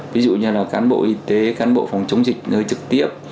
ví dụ như là cán bộ y tế cán bộ phòng chống dịch nơi trực tiếp